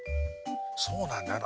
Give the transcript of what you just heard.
そうなんだよな。